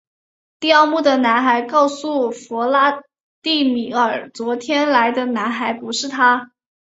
第二幕的男孩告诉弗拉第米尔昨天来的男孩不是他。